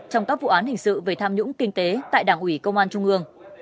trong các vụ án hình sự về tham nhũng kinh tế tại đảng ủy công an trung ương